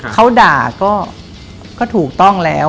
เขาด่าก็ถูกต้องแล้ว